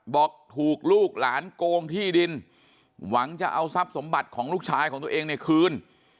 บอกถูกลูกหลานโกงที่ดินหวังจะเอาทรัพย์สมบัติของลูกชายของตัวเองเนี่ยคืน